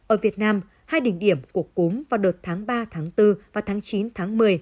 ở việt nam hai đỉnh điểm của cúm vào đợt tháng ba tháng bốn và tháng chín tháng một mươi